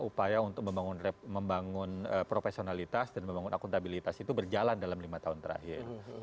upaya untuk membangun profesionalitas dan membangun akuntabilitas itu berjalan dalam lima tahun terakhir